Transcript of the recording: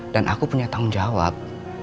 dan aku punya tanggung jawab